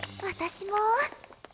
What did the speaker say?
私も。